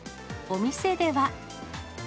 お店では。